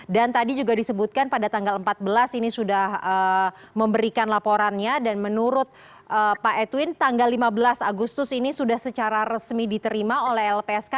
dan tadi juga disebutkan pada tanggal empat belas ini sudah memberikan laporannya dan menurut pak edwin tanggal lima belas agustus ini sudah secara resmi diterima oleh lpsk